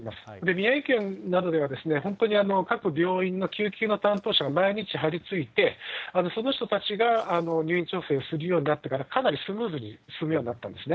宮城県などでは、本当に各病院の救急の担当者が毎日張りついて、その人たちが入院調整をするようになってから、かなりスムーズに進むようになったんですね。